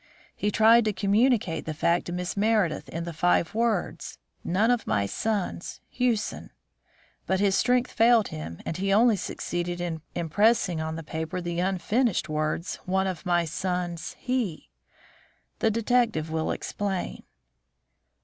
He tried to communicate the fact to Miss Meredith in the five words: 'None of my sons. Hewson,' but his strength failed him, and he only succeeded in impressing on the paper the unfinished words: 'one of my sons he.' The detective will explain."